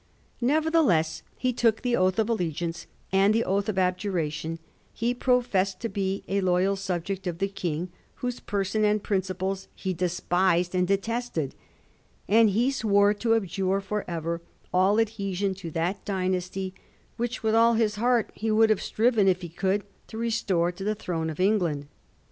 Nevertheless, he took the oath of allegiance and the oath of abjuration ; he professed to be a loyal subject of the King whose person and principles he despised and detested, and he swore to abjure for ever all adhesion to that dynasty which with all his heart he would have striven, if he could, to restore to the throne of England.